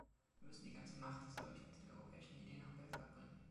Wir müssen die ganze Macht des Leuchtens der europäischen Idee nach Belgrad bringen.